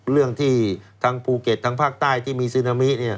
เรื่องที่ทางภูเก็ตทางภาคใต้ที่มีซึนามิ